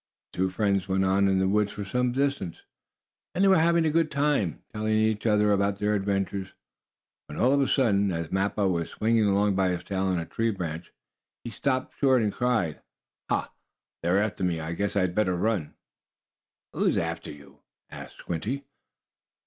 The two friends went on in the woods for some distance, and they were having a good time, telling each other about their adventures, when, all of a sudden, as Mappo was swinging along by his tail on a tree branch, he stopped short and cried: "Ha! They're after me. I guess I'd better run." "Who is after you?" asked Squinty.